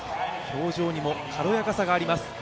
表情にも軽やかさがあります。